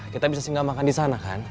kita bisa singgah makan di sana kan